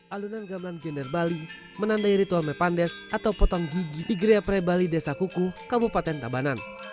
alunan gamelan gender bali menandai ritual mepandes atau potong gigi di gerea pre bali desa kuku kabupaten tabanan